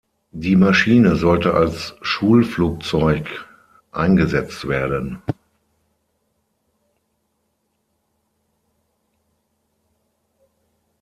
Die Maschine sollte als Schulflugzeug eingesetzt werden.